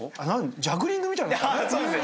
ジャグリングみたいだったね。